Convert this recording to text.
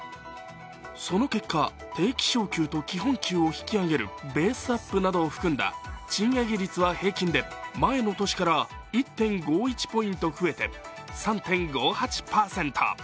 その結果、定期昇給と基本給を引き上げるベースアップなどを含んだ賃上げ率は平均で前の年から１．５１ポイント増えて３．５８％。